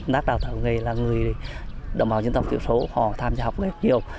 các đào tạo nghề là người đồng hào dân tộc tiểu số họ tham gia học nghề nhiều